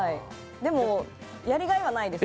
でもやりがいはないです。